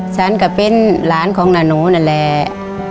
ฉันก็เป็นหลานของนาโนนั่นแหละ